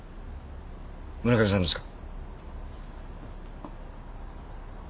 村上さんですか？